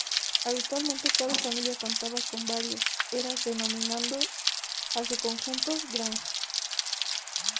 Habitualmente cada familia contaba con varias eras denominando a su conjunto "granja".